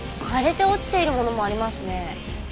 枯れて落ちているものもありますね。